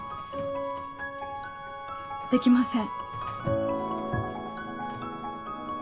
できません。